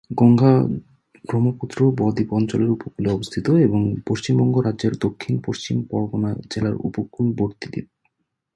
গঙ্গা-ব্রহ্মপুত্র বদ্বীপ অঞ্চলের উপকূলে অবস্থিত এবং পশ্চিমবঙ্গ রাজ্যের দক্ষিণ চব্বিশ পরগনা জেলার উপকূলবর্তী দ্বীপ।